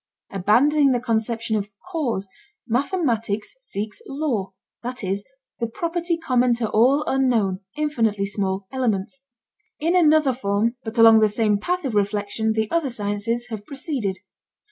Abandoning the conception of cause, mathematics seeks law, that is, the property common to all unknown, infinitely small, elements. In another form but along the same path of reflection the other sciences have proceeded.